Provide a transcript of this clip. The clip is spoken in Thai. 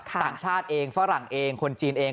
ต่างชาติเองฝรั่งเองคนจีนเอง